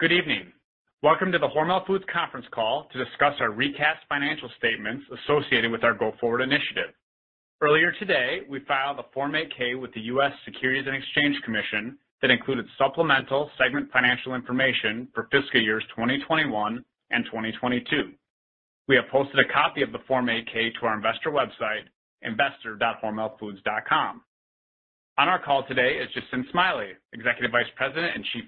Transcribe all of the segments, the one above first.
Good evening. Welcome to the Hormel Foods conference call to discuss our recast financial statements associated with our Go Forward initiative. Earlier today, we filed a Form 8-K with the U.S. Securities and Exchange Commission that included supplemental segment financial information for fiscal years 2021 and 2022. We have posted a copy of the Form 8-K to our investor website, investor.hormelfoods.com. On our call today is Jacinth Smiley, Executive Vice President and Chief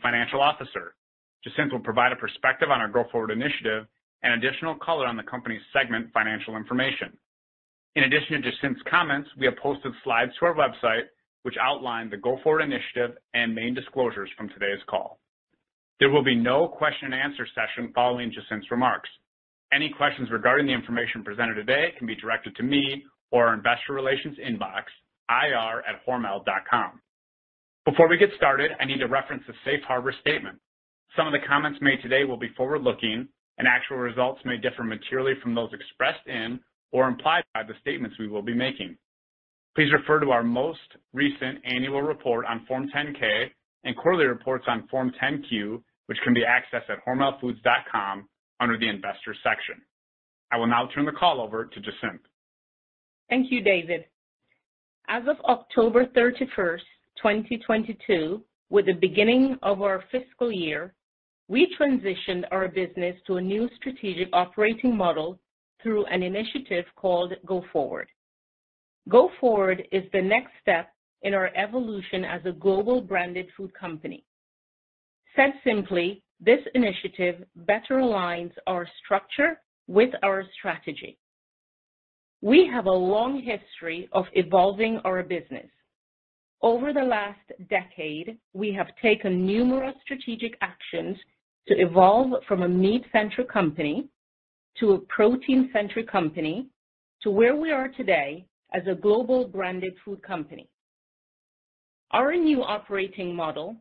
Financial Officer. Jacinth will provide a perspective on our Go Forward initiative and additional color on the company's segment financial information. In addition to Jacinth's comments, we have posted slides to our website which outline the Go Forward initiative and main disclosures from today's call. There will be no question and answer session following Jacinth's remarks. Any questions regarding the information presented today can be directed to me or our investor relations inbox, ir@hormel.com. Before we get started, I need to reference the safe harbor statement. Some of the comments made today will be forward-looking, and actual results may differ materially from those expressed in or implied by the statements we will be making. Please refer to our most recent annual report on Form 10-K and quarterly reports on Form 10-Q, which can be accessed at hormelfoods.com under the investor section. I will now turn the call over to Jacinth. Thank you, David. As of October 31, 2022, with the beginning of our fiscal year, we transitioned our business to a new strategic operating model through an initiative called Go Forward. Go Forward is the next step in our evolution as a global branded food company. Said simply, this initiative better aligns our structure with our strategy. We have a long history of evolving our business. Over the last decade, we have taken numerous strategic actions to evolve from a meat-centric company to a protein-centric company, to where we are today as a global branded food company. Our new operating model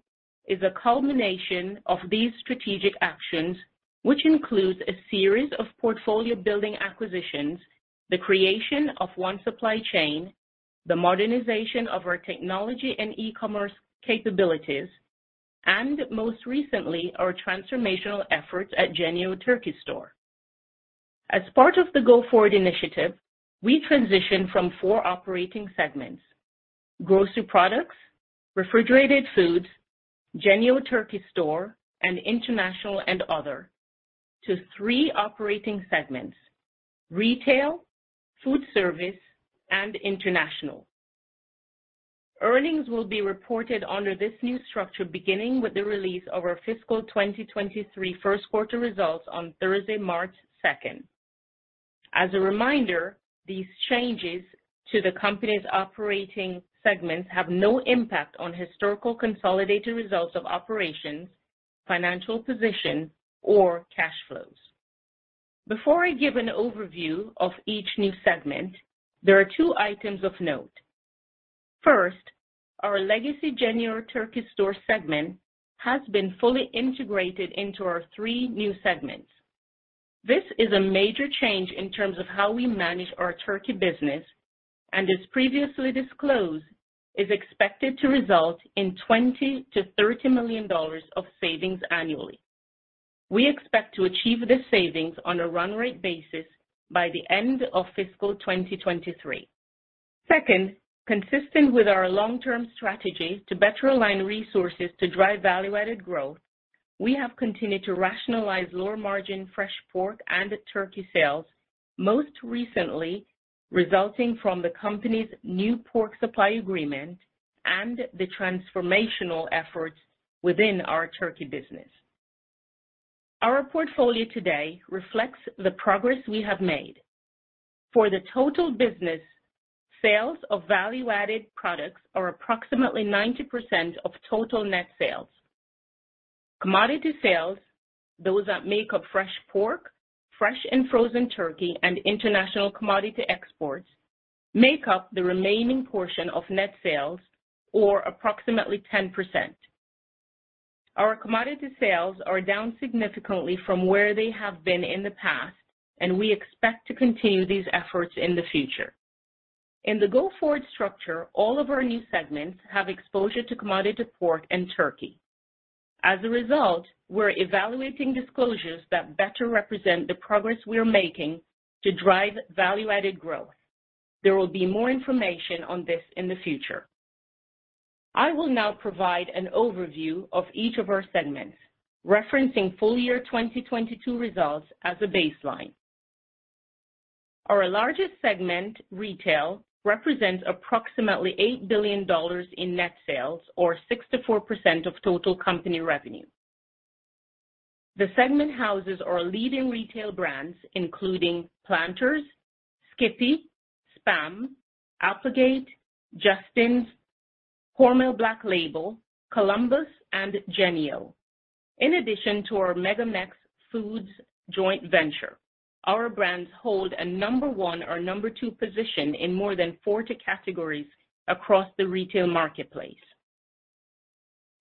is a culmination of these strategic actions, which includes a series of portfolio building acquisitions, the creation of one supply chain, the modernization of our technology and e-commerce capabilities, and most recently, our transformational efforts at JENNIE-O Turkey Store. As part of the Go Forward initiative, we transition from four operating segments, Grocery products, Refrigerated foods, JENNIE-O Turkey Store, and International and other, to three operating segments, Retail, Foodservice, and International. Earnings will be reported under this new structure beginning with the release of our fiscal 2023 Q1 results on Thursday, March 2nd. As a reminder, these changes to the company's operating segments have no impact on historical consolidated results of operations, financial position, or cash flows. Before I give an overview of each new segment, there are two items of note. First, our legacy JENNIE-O Turkey Store segment has been fully integrated into our three new segments. This is a major change in terms of how we manage our turkey business and as previously disclosed, is expected to result in $20 million to $30 million of savings annually. We expect to achieve the savings on a run rate basis by the end of fiscal 2023. Second, consistent with our long-term strategy to better align resources to drive value-added growth, we have continued to rationalize lower margin fresh pork and turkey sales, most recently resulting from the company's new pork supply agreement and the transformational efforts within our turkey business. Our portfolio today reflects the progress we have made. For the total business, sales of value-added products are approximately 90% of total net sales. Commodity sales, those that make up fresh pork, fresh and frozen turkey, and international commodity exports, make up the remaining portion of net sales, or approximately 10%. Our commodity sales are down significantly from where they have been in the past, and we expect to continue these efforts in the future. In the Go Forward structure, all of our new segments have exposure to commodity pork and turkey. We're evaluating disclosures that better represent the progress we are making to drive value-added growth. There will be more information on this in the future. I will now provide an overview of each of our segments, referencing full year 2022 results as a baseline. Our largest segment, retail, represents approximately $8 billion in net sales or 64% of total company revenue. The segment houses our leading retail brands, including Planters, SKIPPY, SPAM, Applegate, Justin's, HORMEL BLACK LABEL, COLUMBUS, and JENNIE-O. In addition to our MegaMex Foods joint venture, our brands hold a number one or number two position in more than 40 categories across the retail marketplace.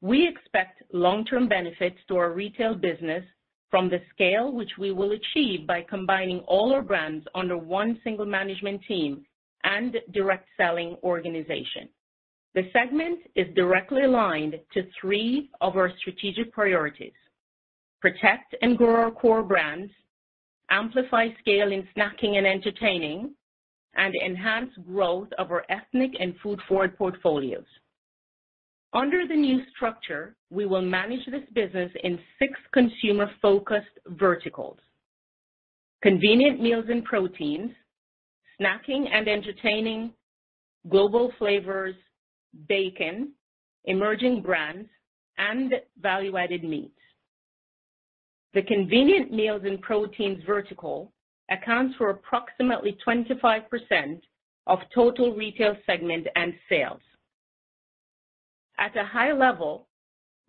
We expect long-term benefits to our retail business from the scale which we will achieve by combining all our brands under one single management team and direct selling organization. The segment is directly aligned to three of our strategic priorities. Protect and grow our core brands, amplify scale in snacking and entertaining, and enhance growth of our ethnic and food forward portfolios. Under the new structure, we will manage this business in six consumer-focused verticals. Convenient meals and proteins, snacking and entertaining, global flavors, bacon, emerging brands, and value-added meat. The convenient meals and proteins vertical accounts for approximately 25% of total retail segment and sales. At a high level,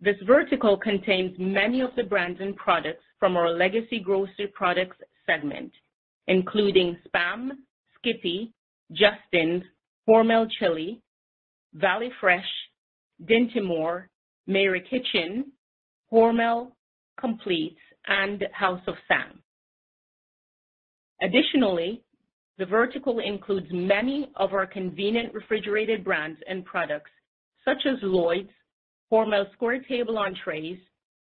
this vertical contains many of the brands and products from our legacy grocery products segment, including SPAM, SKIPPY, Justin's, HORMEL® Chili, VALLEY FRESH®, Dinty Moore®, MARY KITCHEN®, HORMEL®, COMPLEATS®, and House of Tsang. Additionally, the vertical includes many of our convenient refrigerated brands and products, such as LLOYD'S, Hormel Square Table Entrees,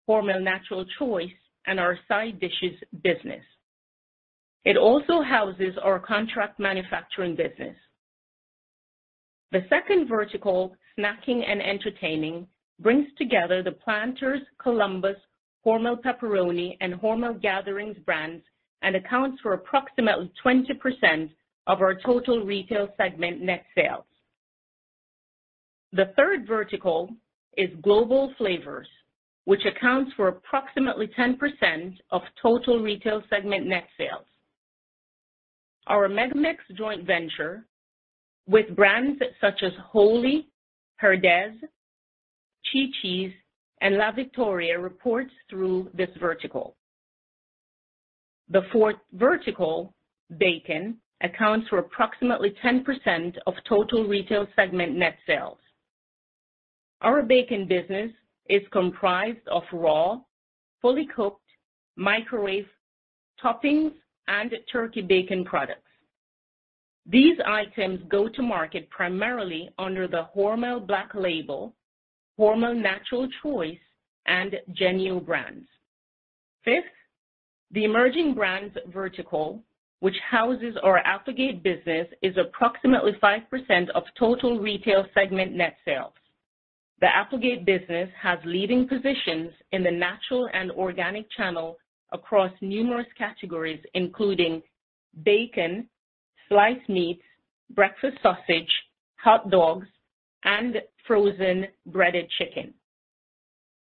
HORMEL NATURAL CHOICE, and our side dishes business. It also houses our contract manufacturing business. The second vertical, snacking and entertaining, brings together the Planters, COLUMBUS, HORMEL Pepperoni and HORMEL GATHERINGS brands and accounts for approximately 20% of our total retail segment net sales. The third vertical is global flavors, which accounts for approximately 10% of total retail segment net sales. Our MegaMex joint venture with brands such as Wholly, Herdez, Chi-Chi's, and La Victoria reports through this vertical. The fourth vertical, bacon, accounts for approximately 10% of total retail segment net sales. Our bacon business is comprised of raw, fully cooked, microwaved toppings, and turkey bacon products. These items go to market primarily under the HORMEL BLACK LABEL, HORMEL NATURAL CHOICE, and JENNIE-O brands. Fifth, the emerging brands vertical, which houses our Applegate business, is approximately 5% of total retail segment net sales. The Applegate business has leading positions in the natural and organic channel across numerous categories, including bacon, sliced meats, breakfast sausage, hot dogs, and frozen breaded chicken.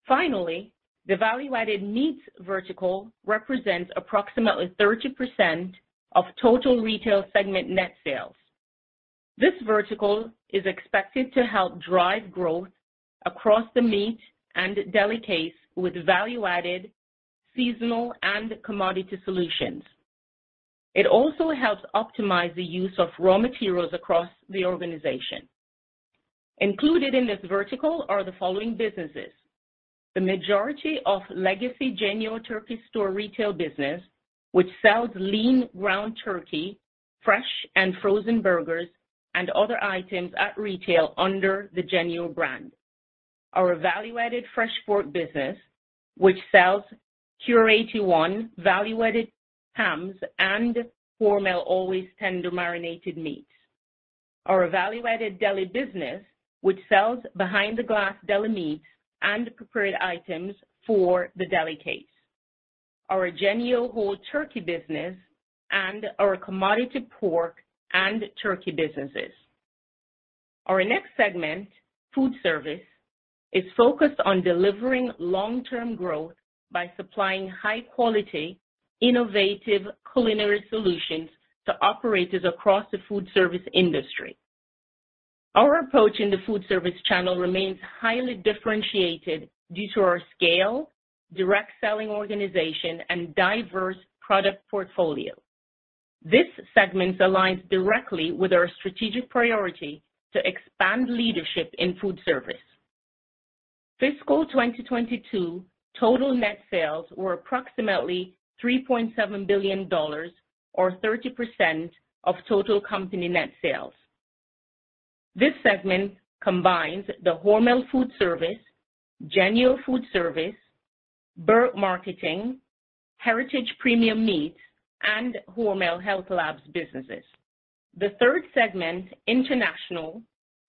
The value-added meats vertical represents approximately 30% of total retail segment net sales. This vertical is expected to help drive growth across the meat and deli case with value added seasonal and commodity solutions. It also helps optimize the use of raw materials across the organization. Included in this vertical are the following businesses. The majority of legacy JENNIE-O Turkey Store retail business, which sells lean ground turkey, fresh and frozen burgers, and other items at retail under the JENNIE-O brand. Our value-added fresh pork business, which sells Cure 81 value-added hams and Hormel Always Tender marinated meats. Our value-added deli business, which sells behind the glass deli meats and prepared items for the deli case. Our JENNIE-O whole turkey business and our commodity pork and turkey businesses. Our next segment, Foodservice, is focused on delivering long-term growth by supplying high-quality, innovative culinary solutions to operators across the Foodservice industry. Our approach in the Foodservice channel remains highly differentiated due to our scale, direct selling organization, and diverse product portfolio. This segment aligns directly with our strategic priority to expand leadership in Foodservice. Fiscal 2022 total net sales were approximately $3.7 billion or 30% of total company net sales. This segment combines the Hormel Foodservice, JENNIE-O Foodservice, Burke Marketing, Heritage Premium Meat, and Hormel Health Labs businesses. The third segment, International,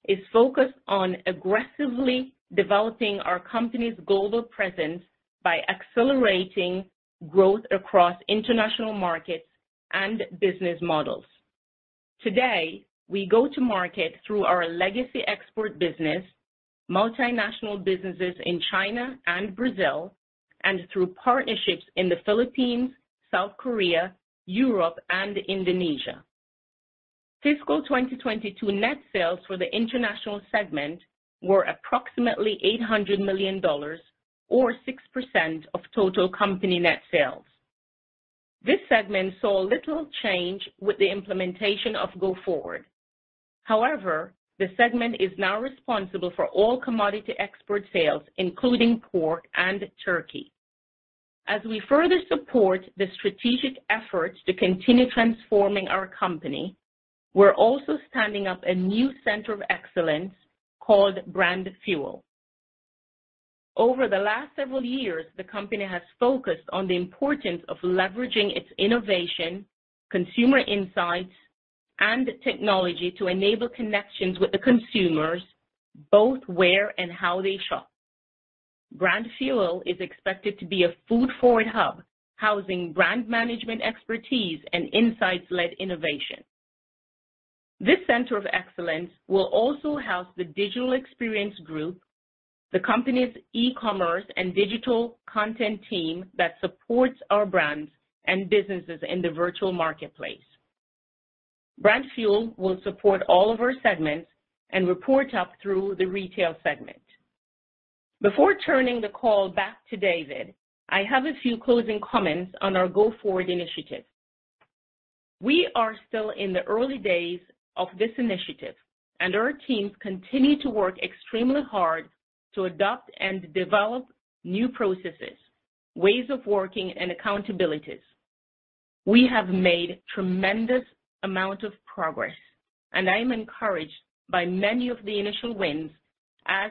is focused on aggressively developing our company's global presence by accelerating growth across international markets and business models. Today, we go to market through our legacy export business, multinational businesses in China and Brazil, and through partnerships in the Philippines, South Korea, Europe, and Indonesia. Fiscal 2022 net sales for the international segment were approximately $800 million or 6% of total company net sales. This segment saw little change with the implementation of Go Forward. The segment is now responsible for all commodity export sales, including pork and turkey. As we further support the strategic efforts to continue transforming our company, we're also standing up a new center of excellence called Brand Fuel. Over the last several years, the company has focused on the importance of leveraging its innovation, consumer insights, and technology to enable connections with the consumers both where and how they shop. Brand Fuel is expected to be a food-forward hub, housing brand management expertise and insights-led innovation. This center of excellence will also house the digital experience group, the company's e-commerce and digital content team that supports our brands and businesses in the virtual marketplace. Brand Fuel will support all of our segments and report up through the retail segment. Before turning the call back to David, I have a few closing comments on our Go Forward initiative. We are still in the early days of this initiative, and our teams continue to work extremely hard to adopt and develop new processes, ways of working and accountabilities. We have made tremendous amount of progress, and I am encouraged by many of the initial wins as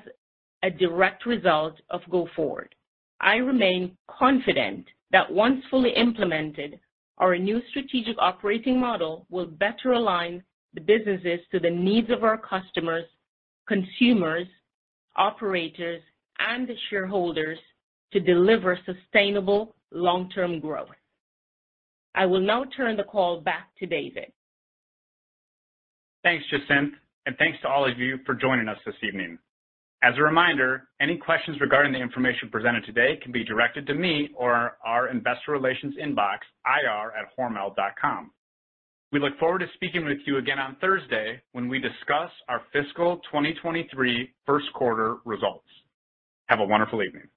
a direct result of Go Forward. I remain confident that once fully implemented, our new strategic operating model will better align the businesses to the needs of our customers, consumers, operators, and shareholders to deliver sustainable long-term growth. I will now turn the call back to David. Thanks, Jacinth, and thanks to all of you for joining us this evening. As a reminder, any questions regarding the information presented today can be directed to me or our investor relations inbox, ir@hormel.com. We look forward to speaking with you again on Thursday when we discuss our fiscal 2023 Q1 results. Have a wonderful evening.